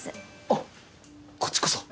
あっこっちこそ。